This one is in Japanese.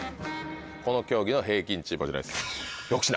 この競技の平均値こちらです。